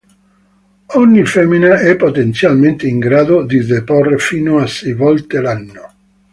Ogni femmina è potenzialmente in grado di deporre fino a sei volte l'anno.